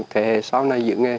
thế hệ sau này giữ nghề